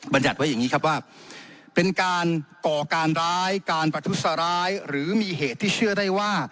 ยัติไว้อย่างนี้ครับว่าเป็นการก่อการร้ายการประทุษร้ายหรือมีเหตุที่เชื่อได้ว่า